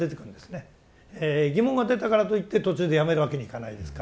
疑問が出たからといって途中でやめるわけにいかないですから。